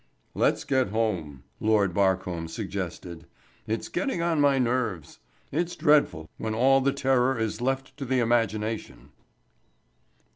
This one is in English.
"Let's get home," Lord Barcombe suggested. "It's getting on my nerves. It's dreadful when all the terror is left to the imagination."